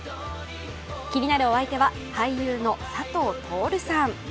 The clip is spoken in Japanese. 気になるお相手は、俳優の佐藤達さん。